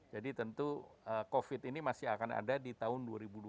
jadi tentu covid ini masih akan ada di tahun dua ribu dua puluh satu